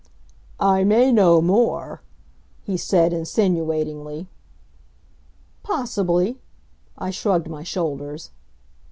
"I may know more," he said insinuatingly. "Possibly." I shrugged my shoulders.